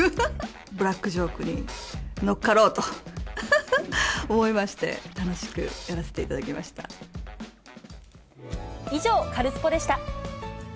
ブラックジョークに乗っかろうと思いまして、楽しくやらせていた以上、カルスポっ！でした。